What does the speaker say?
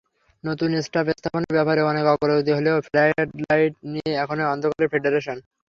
নতুন টার্ফ স্থাপনের ব্যাপারে অনেক অগ্রগতি হলেও ফ্লাডলাইট নিয়ে এখনো অন্ধকারে ফেডারেশন।